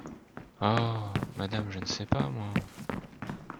Oh ! madame, je ne sais pas, moi.